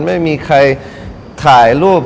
ไม่มีใครถ่ายรูป